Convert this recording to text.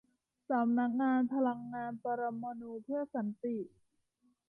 สำนักงานพลังงานปรมาณูเพื่อสันติ